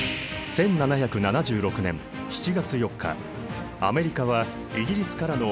１７７６年７月４日アメリカはイギリスからの独立を宣言。